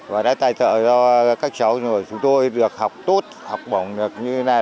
và đã tài trợ cho các cháu rồi chúng tôi được học tốt học bổng được như thế này